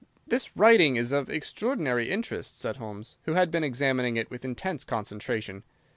"This writing is of extraordinary interest," said Holmes, who had been examining it with intense concentration.